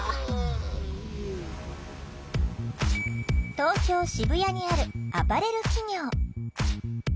東京・渋谷にあるアパレル企業。